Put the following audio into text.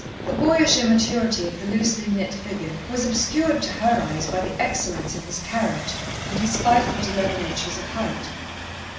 The boyish immaturity of the loosely knit figure was obscured to her eyes by the excellence of his carriage and his five foot eleven inches of height.